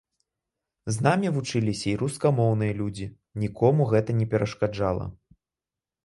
З намі вучыліся і рускамоўныя людзі, нікому гэта не перашкаджала.